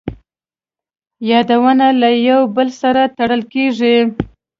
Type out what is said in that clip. یادونه له یو بل سره تړل کېږي.